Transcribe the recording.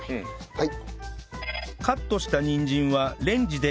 はい。